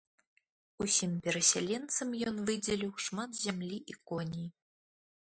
Усім перасяленцам ён выдзеліў шмат зямлі і коней.